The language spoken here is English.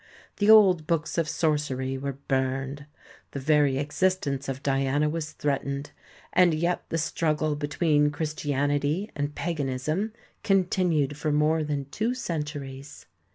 The old books of sorcery were burned. The very exist ence of Diana was threatened, and yet the struggle between Christianity and paganism continued for more than two centuries.